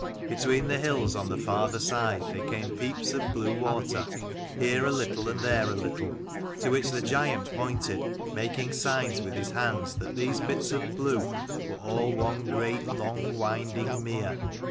Between the hills on the farther side there came peeps of blue water, here a little and there a little ; to which the giant pointed, making signs with his hands that these bits of blue were all one great long winding mere.